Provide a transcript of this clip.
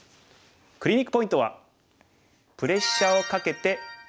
クリニックポイントは。